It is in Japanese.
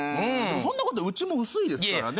そんな事うちも薄いですからね。